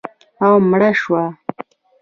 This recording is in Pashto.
او مړه شوه